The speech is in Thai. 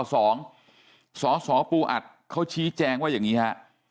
สสปูอัดเขาชี้แจงว่าอย่างนี้ฮะ